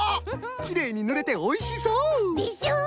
きれいにぬれておいしそう！でしょ？